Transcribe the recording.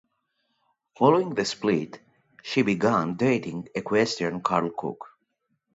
Following the split, she began dating equestrian Karl Cook.